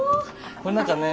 これ何かね